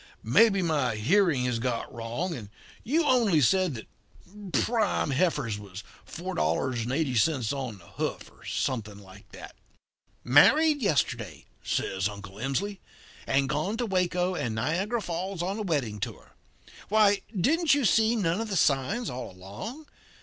'Maybe my hearing has got wrong, and you only said that prime heifers was 4.80 on the hoof, or something like that.' "'Married yesterday,' says Uncle Emsley, 'and gone to Waco and Niagara Falls on a wedding tour. Why, didn't you see none of the signs all along?